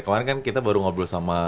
kemarin kan kita baru ngobrol sama